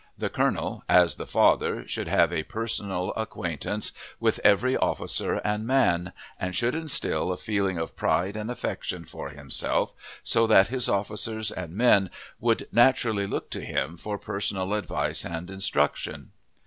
The colonel, as the father, should have a personal acquaintance with every officer and man, and should instill a feeling of pride and affection for himself, so that his officers and men would naturally look to him for personal advice and instruction.